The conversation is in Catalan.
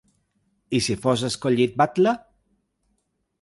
I si fos escollit batlle?